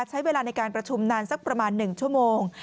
ใช้เวลาในการประชุมนานสักประมาณ๑ชั่วโมง